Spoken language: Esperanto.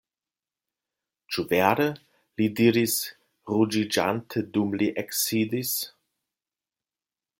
Ĉu vere? li diris ruĝiĝante, dum li eksidis.